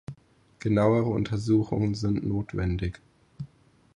Genauere Untersuchungen sind notwendig.